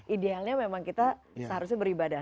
idealnya memang kita seharusnya beribadah